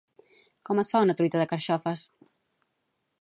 Com es fa una truita de carxofes?